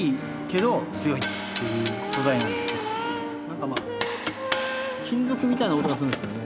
何かまあ金属みたいな音がするんですよね。